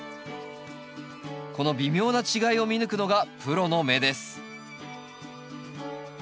この微妙な違いを見抜くのがプロの目です